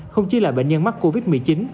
không chỉ là bệnh nhân mắc covid một mươi chín